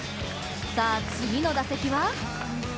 さあ、次の打席は？